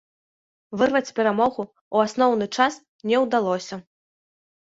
Вырваць перамогу ў асноўны час не ўдалося.